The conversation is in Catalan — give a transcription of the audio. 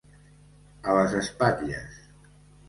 A les espatlles.